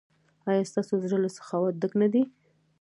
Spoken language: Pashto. ایا ستاسو زړه له سخاوت ډک نه دی؟